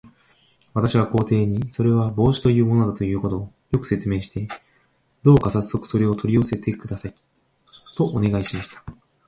私は皇帝に、それは帽子というものだということを、よく説明して、どうかさっそくそれを取り寄せてください、とお願いしました。